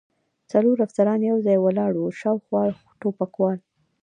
څلور افسران یو ځای ولاړ و، شاوخوا ټوپکوال.